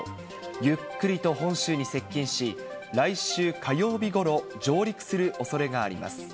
ゆっくりと本州に接近し、来週火曜日ごろ、上陸するおそれがあります。